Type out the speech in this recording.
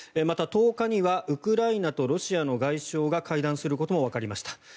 また、１０日にはウクライナとロシアの外相が会談することもわかりました。